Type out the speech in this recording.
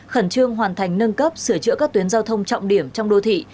khẩn trương hoàn thành nâng cấp sửa chữa các tuyến giao thông trọng điểm trong đô thị